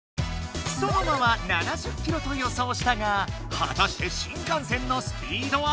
ソノマは７０キロと予想したがはたして新幹線のスピードは？